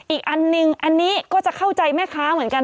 อีกอันนึงอันนี้ก็จะเข้าใจแม่ค้าเหมือนกัน